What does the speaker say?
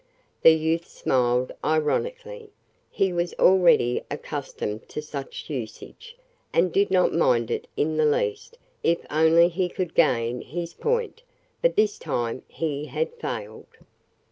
The youth smiled ironically. He was already accustomed to such usage, and did not mind it in the least if only he could gain his point, but this time he had failed.